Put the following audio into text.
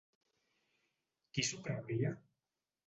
Qui s'ho creuria?